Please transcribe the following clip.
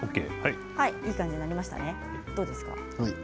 いい感じになりましたね。